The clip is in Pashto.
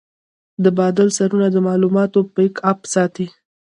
د بادل سرورونه د معلوماتو بیک اپ ساتي.